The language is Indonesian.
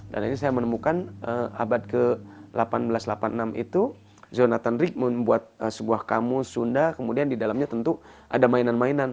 bahkan abad ke seribu delapan ratus delapan puluh enam itu jonathan rigg membuat sebuah kamus sunda kemudian di dalamnya tentu ada mainan mainan